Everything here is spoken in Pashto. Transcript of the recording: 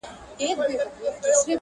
له خوب نه مې لاس وانخیست